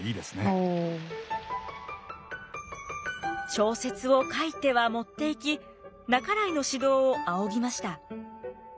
小説を書いては持っていき半井の指導を仰ぎました。